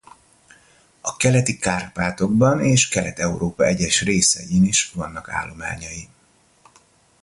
A Keleti-Kárpátokban és Kelet-Európa egyes részein is vannak állományai.